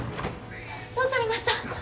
どうされました？